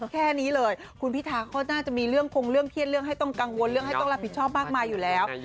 แค่นี้เลยคุณพิธาก็น่าจะมีเรื่องคงเรื่องเครียดเรื่องให้ต้องกังวลเรื่องให้ต้องรับผิดชอบมากมายอยู่แล้ว